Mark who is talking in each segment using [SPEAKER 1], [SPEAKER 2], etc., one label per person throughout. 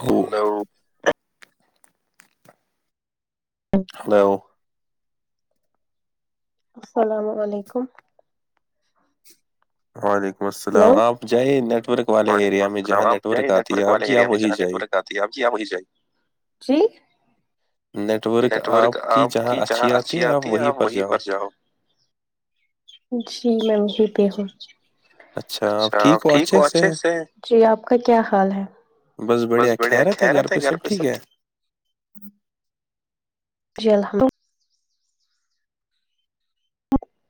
[SPEAKER 1] ہو hello
[SPEAKER 2] السلام علیکم
[SPEAKER 1] وعلیکم السلام آپ جائی نیٹ ورک والے ایریا میں جہاں نیٹ ورک آتی ہے آپ کیی آپ وہی جائی
[SPEAKER 2] آپ یہ جاہی ج نیٹ ورک آپ کی جہاں اچھی آتی آپ وہیں پر جاؤ جی میںیم یہ بھی ہوں اچھاپ ٹھیک ہو اچھے سے جی آپ کا کیا حال ہے
[SPEAKER 1] بس بڑھیا خیرت ہے گھر پہ سب ٹھیک ہے
[SPEAKER 2] جی الحمدلہ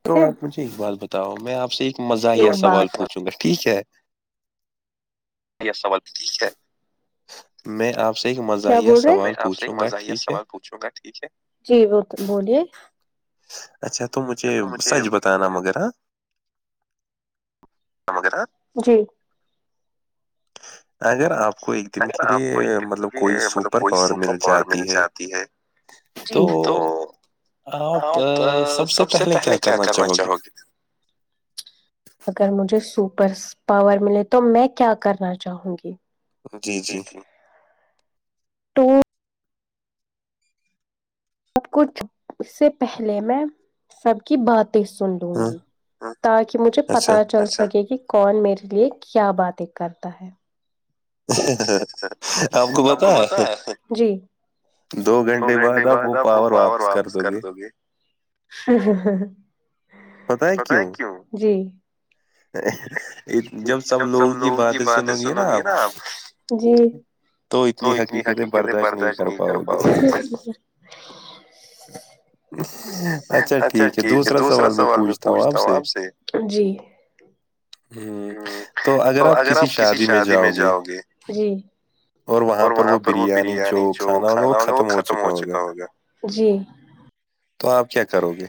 [SPEAKER 1] تو آپ مجھے ایک بات بتاؤ میں آپ سے ایک مزاحیہ سوال پوچھوں گا ٹھیک ہے
[SPEAKER 2] یہ سوال ٹھیک ہے
[SPEAKER 1] میں آپ
[SPEAKER 2] کیا بول رہے ہیں میں آپ سے ایک مزاحیہت سوال پوچھوں گا ٹھیک ہے جی وہ بولیے
[SPEAKER 1] اچھا تو مجھے سج بتانا مگر
[SPEAKER 2] و جی
[SPEAKER 1] اگر آپ کو ایک دن کے لیے مطلب کوئی سپر پاور مل جاتی ہے
[SPEAKER 2] جی تو ہاں سب سے پہلے کیا کرنا چاہو گے اگر مجھے سپر پاور ملے تو میں کیا کرنا چاہوں گی
[SPEAKER 1] جی جی
[SPEAKER 2] تو آب کچھ اس سے پہلے میں سب کی بات سن لوں گی تاکہ مجھے پتا چل سکے کہ کون میرے لیے کیا باتیں کرتا ہے ہم کو پتا ہے جی دو گھنٹے بعد آپ وہ پاور واپس کر دو گے بت کیوں جی جب سب لوگوں کی باتیں سنو گی نا اپ جی تو اتنی حقیقتیں برداشت نہیں کر پاؤ اچھا ٹھیک ہے دوسرا سوال میں پوچھتا ہوں آپ سے جی ہ تو اگر آپ کسی شادی میں جاؤ گے ج اور وہاں پر وہ بریانی جو کھانا ہوگا وہ ختم ہو چکا ہوگا جی
[SPEAKER 1] تو آپ کیا کرو گے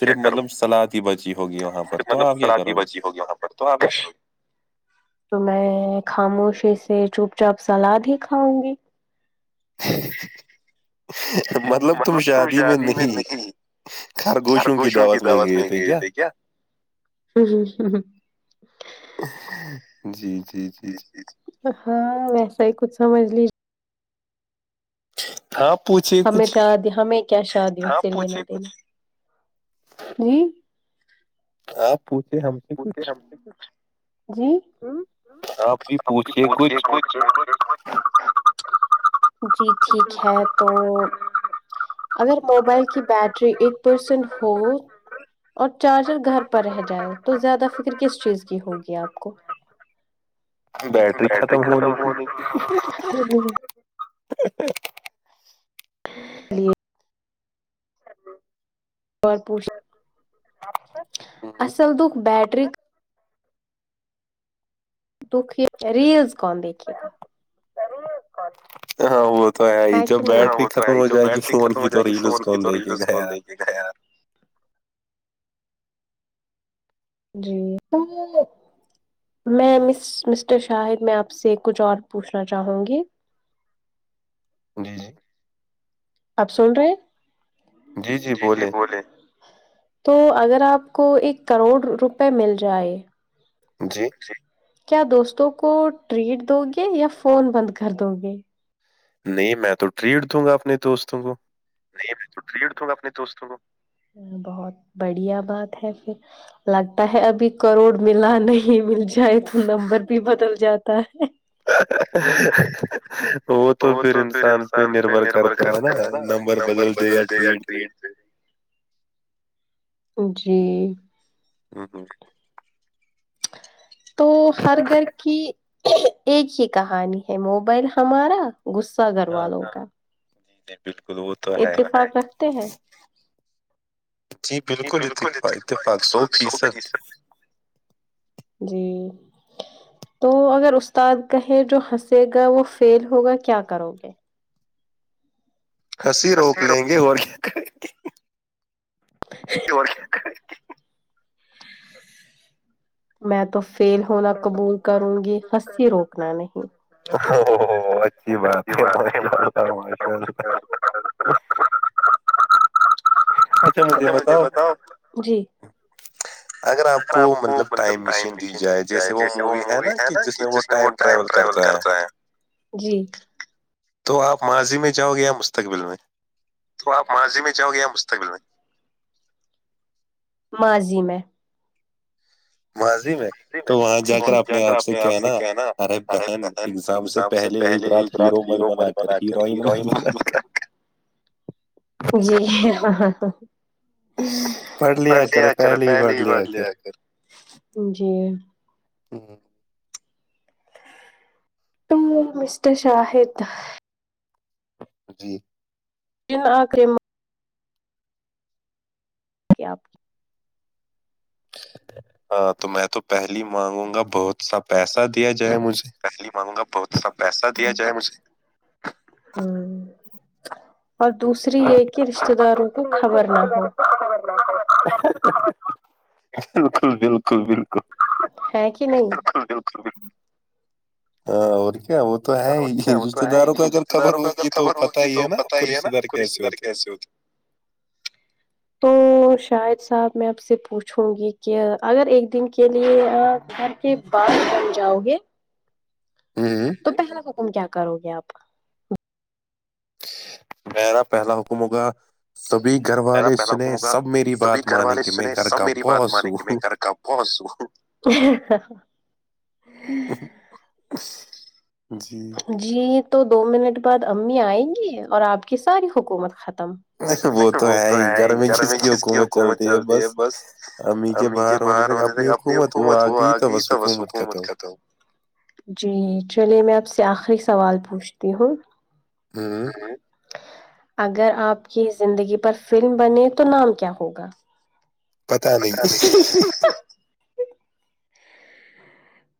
[SPEAKER 1] صرف مطلب سلاد ہی بچی ہوگی وہاں پر تو آپ کیا کرو گے
[SPEAKER 2] ہوگیا یہاں پر تواںپش تو میں خاموشی سے چوپ چاپ سلاد ہی کھاؤں گی
[SPEAKER 1] مطلب تم شادی میں نہیں خرگوشوں کی دعوت میں گئے تھے کیا
[SPEAKER 2] ہ ہ ہ ہ
[SPEAKER 1] جی- جی- جی- جی
[SPEAKER 2] ہاں ویسا ہی کچھ سمجھ لیجی-
[SPEAKER 1] اھ سب پچھ
[SPEAKER 2] ہمیں شاد ہمیں کیا شادی اس سے لی جی
[SPEAKER 1] آپ پوچھے ہم سے
[SPEAKER 2] پتے ہم جی سب پوھ جی, ٹھیک ہے تو- اگر موبائل کی بیٹری ایک پرسنٹ ہو- اور چارجر گھر پر رہ جائے- تو زیادہ فکر کس چیز کی ہوگی آپ کو- بیٹری ختم ہو گ تھی
[SPEAKER 1] [unintelligible]
[SPEAKER 2] پ اصل دکھ بیٹری- دک ریلز کون دیکھے گا-
[SPEAKER 1] کرری ایک کچ ہاں وہ تو ہے ہی جب بیٹری ختم ہو جائے گی فون کی تو ریلز کون دے کے گ یار-
[SPEAKER 2] [unintelligible] جی میں, مس مسٹر شاہد میں آپ سے کچھ اور پوچھنا چاہوں گی-
[SPEAKER 1] جی- جی
[SPEAKER 2] آپ سن رہے ہیں, جی- جی بولے- تو اگر آپ کو, ایک کروڑ روپے مل جائے-
[SPEAKER 1] جی-
[SPEAKER 2] کیا دوستوں کو ٹریٹ دو گے یا فون بند کر دو گے-
[SPEAKER 1] نہیں میں تو, ٹریڈ دوں گا اپنے دوستوں کو-
[SPEAKER 2] گا اپنے دوستوں کو بہت بڑھیا بات ہے پھر- لگتا ہے ابھی کروڑ ملا نہیں مل جائے تو نمبر بھی بدل جاتا ہے-
[SPEAKER 1] ہاہاہاہ- وہ تو پھر انسان پہ نربھر کرتا ہے نا نمبر بدل دے یا ٹریٹ دے-
[SPEAKER 2] جی
[SPEAKER 1] ہ ہ-
[SPEAKER 2] تو ہر گھر کی ایک ہی کہانی ہے موبائل ہمارا- گغصہ کروا لو کیا-
[SPEAKER 1] جی چٹکت-
[SPEAKER 2] اتفاق رکھتے ہیں- جی, بالکل نیت سو پس- جی- تو اگر استاد کہے جو ہنسے گا وہ فیل ہوگا کیا کرو گے-
[SPEAKER 1] ہسی روک لیں گے اور کیا کریں گ-
[SPEAKER 2] میں تو- فیل ہونا قبول کروں گی ہسی روکنا نہیں-
[SPEAKER 1] ا اچھی بات ہے مشء مش-
[SPEAKER 2] اچھا, مھے بتاؤ جی ہر آپ کو مطلب ٹائم مشین دی جائے جیسے وہ مووی ہے نا کہ جس میں وہ- ٹائم ٹریول کرتا ہے جی
[SPEAKER 1] تو آپ ماضی میں جاؤ گے یا مستقبل میں
[SPEAKER 2] تو آپ ماضی میں جاؤ گے مستقبل میں ماضی میں
[SPEAKER 1] بس میں تو وہاں جا کر اپنے آپ سے کہناا ارے بہن ایگزام سے پہلے ایک رات ہیرو م بنا کر ہیروئن ب
[SPEAKER 2] جی ہ ہاں- ہاں پڑھ لیا کر پہلے ہی پڑھ لیا کر جی-
[SPEAKER 1] [unintelligible]
[SPEAKER 2] تو مسٹر شاہد-
[SPEAKER 1] جی
[SPEAKER 2] جن آ کرریم کیا آپ کی
[SPEAKER 1] ہاں تو میں تو پہل مانگوں گا بہت سا پیسہ دیا جائے مجھے
[SPEAKER 2] پہلی مانوں گا بہت سا پیسہ دیا جائے مجھے اور دوسری یہ کہ رشتے داروں کو خبر نہ ہو
[SPEAKER 1] بالکل بالکل بالکل
[SPEAKER 2] ہ کہ نہیں
[SPEAKER 1] [unintelligible] ہاں ایک آ تو ہے رشتے داروں کو اگر خبر ہوگی تو پتا ہی ہے نا آپ کو رشتے دار کیسے ہوتے
[SPEAKER 2] [unintelligible] تو شاہد صاحب میں آپ سے پوچھوں گی کہ اگر ایک دن کے لیے آ کہ باہر بن جاؤ گے تو پہلا حکم کیا کرو گے آپ کا
[SPEAKER 1] میں نا پہلا حکم ہوگا سبھی گھر والے سنے سب میری بات مان کہ میں گھر کا بہت سووں
[SPEAKER 2] [unintelligible]
[SPEAKER 1] جی
[SPEAKER 2] جی تو دو منٹ بعد امی آئیں گی اور آپ کی ساری حکومت ختم وہ تو ہے ہی گھر میں کس کی حکومت چلتی ہے بس امی کے باہر ہونے اپنی حکومت وہ آ گئی تو بس حکومت ختم جی چلیے میں آپ سے آخری سوال پوچھتی ہوں اگر آپ کی زندگی پر فلم بنے تو نام کیا ہوگا
[SPEAKER 1] پتہ نہیں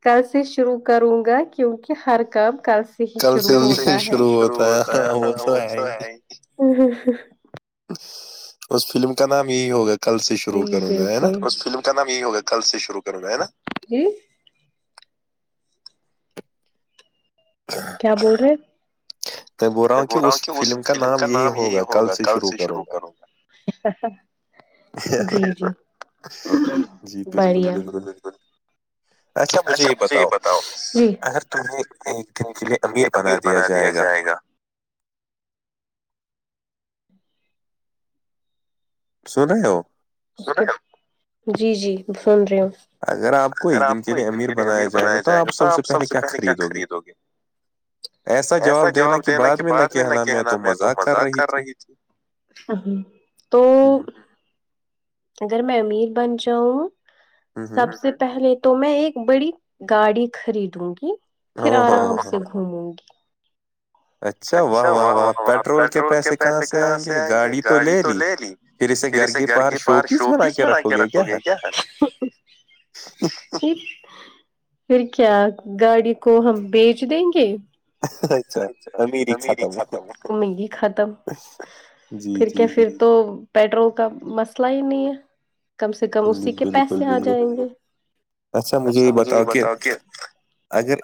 [SPEAKER 2] کل سے شروع کروں گا کیوںکہ ہر کام کل سے شو شروع ہوتا ہے وہ تو ہے ہی
[SPEAKER 1] اس فلم کا نام یہی ہوگا کل سے شروع کروں گا ہے نا
[SPEAKER 2] کر نام یہی ہوگا کل سے شرو کروں گا ہےا کیا بول رہے میں بول رہا ہوں کہ اس فلم کا نام یہی ہوگا کل سے شروع کروں گا جی جی بڑھیا اچھا مجھے یہ بتاؤے امیر بنا دیا جائے گا
[SPEAKER 1] سون رہے ہو
[SPEAKER 2] جی جی سن رہی ہوں اگر آپ کو ایک دن کے لیے امیر بنایا جائے گا تو آپ سب سے پہلے کیا خریدو گے ایسا جواب دینا کے بعد میں نہ کہنا میں تو مذاق کر رہی تھی ا تو اگر میں امیر بن جاؤں سب سے پہلے تو میں ایک بڑی گاڑی خریدوں گی پھر آرام سے گھوموں گی
[SPEAKER 1] اچھا واہ واہ واہ پیٹرول کے پیسے کہاں سے آئیں گے گاڑی تو لے لی پھر اسے گرگ پہر شوپ
[SPEAKER 2] شو پیس بنا کے رکھو گے کیا ہے پھر کیا گاڑی کو ہم بیچ دیں گے اچھا ختم مری ختم
[SPEAKER 1] جی جی جی
[SPEAKER 2] تو پیٹرول کا مسئلہ ہی نہیں ہے کم سے کم اسی کے پیسے آ جائیں گے اچھا مجھے یہ بتاؤ کہ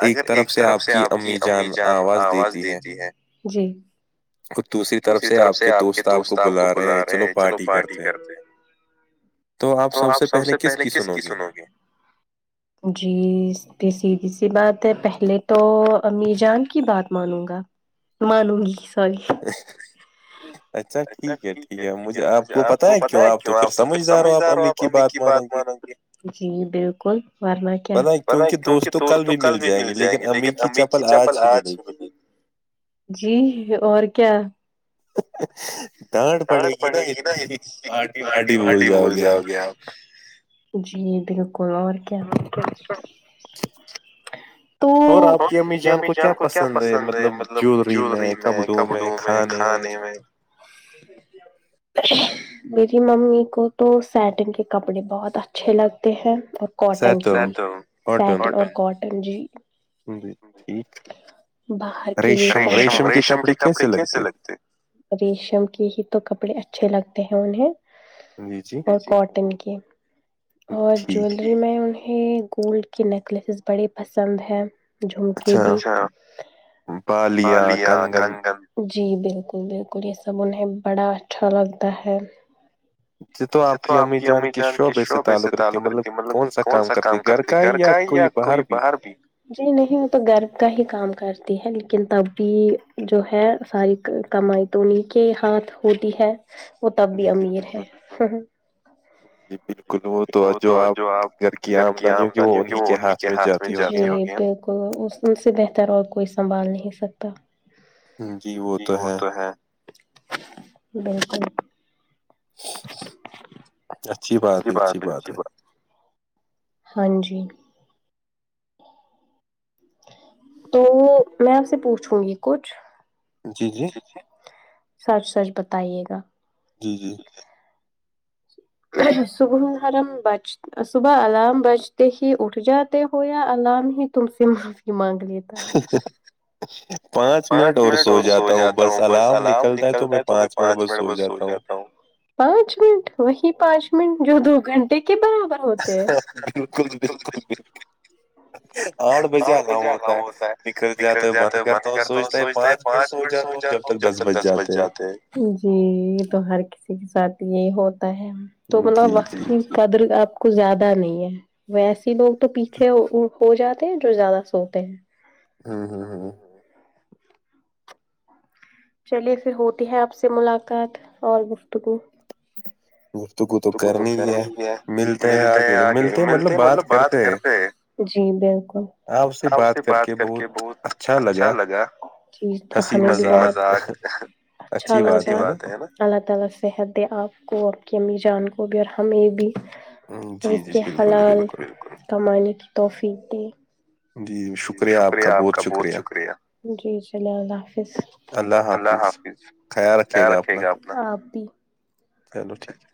[SPEAKER 2] اگر ایک طرف سے آپ کی امی جان آواز دیتی ہے جی دوسری طرف سے آپ کے دوست آپ کو بلا رہے ہیں چلو پارٹی کرتے ہیں تو آپ سب سے پہلے کس کی سنو گے جی تو سیدھی سی بات ہے پہلے تو امی جان کی بات مانوں گا معلوں گی اچھا ٹھیک ہے ٹھیک ہے مجھے آپ کو پت ہے آ تو سمجھدار ہو آپ امی کی بات مانیں گے جی بالکل منا کیونکہ دوست کل بھی مل جائیں گے لیکن امیکی چپل آج ہی ملے گی جی اور کیا
[SPEAKER 1] ڈانٹ پڑے گی نا اتنی بارٹی باٹی بھول جاؤ گے آپ
[SPEAKER 2] جی بالکل اور کیا تو اور ابمی جان کو کیا پسند ہے مطلب جویلری میں کپڑوں میں کھانے میں [inaudible] میری ممی کو تو سیٹن کے کپڑے بہت اچھے لگتے ہیں کاٹن کی سیٹن اور کاٹن جی بر رشم ریشم کے کپڑے کیسے لگتے ریشم کے ہی تو کپڑے اچھے لگتے ہیں انہیں اور کاٹن کی اور جویلری میں ان گولڈ کے نیکلیسز بڑے پسند ہیں جمکی بھی پالیا کنگم جی بالکل بالکل یہ سب انہیں بڑا اچھا لگتا ہے تو آپ کی امی جان کی شعبے سے تعلق رکھتی ہے مطلب کون سا کام کرتی گھر کا ہی یا کوئی باہر بھی جی نہیں وہ تو گھر کا ہی کام کرتی ہے لیکن تب بھی جو ہے ساری کمائی تو انیں کے ہاتھ ہوتی ہے وہ تب بھی امیر ہے
[SPEAKER 1] [inaudible] تو جو آپ گھر کی آمدنی ہوگی وہ انہیں کے ہاتھ میں جاتی ہوگی ہے نا
[SPEAKER 2] کو اس ان سے بہتر اور کوئی سنبھال نہیں سکتا کی بول تو ہے
[SPEAKER 1] اچھی بات ہے اچھی بات ہے
[SPEAKER 2] ہاں جی تو میں آپ سے پوچھوں گی کچھ
[SPEAKER 1] جی جی
[SPEAKER 2] سچ سچ بتائیے گا
[SPEAKER 1] جی جی
[SPEAKER 2] سگ ہارم بچ صبح الارم بجتے ہی اٹھ جاتے ہو یا الارم ہی تم سے معافی مانگ لیتے تا ہے پانچ منٹ اور سو جاتا ہوں بس الام نکلتا ہے تو میں پانچ منٹ بس سو جاتا ہوں پانچ منٹ وہی پانچ منٹ جو دو گھنٹے کے براب
[SPEAKER 1] ہ بالکل بالکل بالکل آٹھ بجےا ہوتا ہے نکل جاتا ہے بند کرتا تو سوچتا ہے پانچ منٹ سوچ جاتا ہوں جب تک دس بج جاتے ہیں
[SPEAKER 2] جی یہ تو ہر کسی کے ساتھ یہی ہوتا ہے تو مطلبقی قدر آپ کو زیادہ نہیں ہے ویسی لوگ تو پیچھے ہو جاتے ہیں جو زیادہ سوتے ہیں
[SPEAKER 1] ہاں ہاں ہاں
[SPEAKER 2] چلیے پھر ہوتی ہے آپ سے ملاقات اور گفتگو تو کو تو کرنی ہے ملتے ہیں آگے ملتے مطلب بات کرتے جی بالکل آپ سے بات کر کے بہت اچھا لگا مذاق اچ ہے اللہ آپ کو، آپ کی والدہ کو اور ہمیں صحت عطا فرمائے۔ اور کے حلال کمانے کی توحفیق دی شکریہ آپ کا بہت شکریہ جی چل اللہ حافظ
[SPEAKER 1] اللہ حافظ خیال رکھے گا اپنا چلو ٹھیک ہے